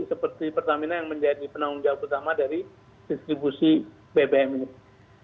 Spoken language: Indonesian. seperti pertamina yang menjadi penanggung jawab utama dari distribusi bbm ini